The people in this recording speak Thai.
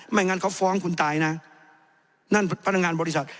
งั้นเขาฟ้องคุณตายนะนั่นพนักงานบริษัท